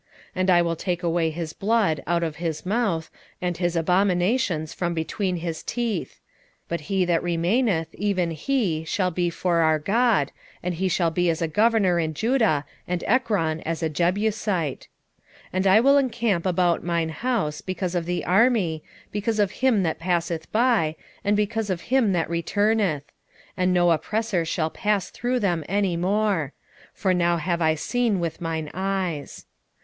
9:7 And I will take away his blood out of his mouth, and his abominations from between his teeth: but he that remaineth, even he, shall be for our God, and he shall be as a governor in Judah, and Ekron as a Jebusite. 9:8 And I will encamp about mine house because of the army, because of him that passeth by, and because of him that returneth: and no oppressor shall pass through them any more: for now have I seen with mine eyes.